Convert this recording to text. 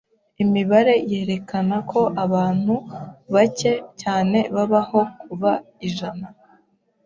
Imibare yerekana ko abantu bake cyane babaho kuba ijana.